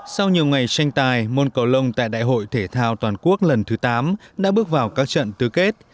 sau nhiều ngày tranh tài môn cầu lông tại đại hội thể thao toàn quốc lần thứ tám đã bước vào các trận tứ kết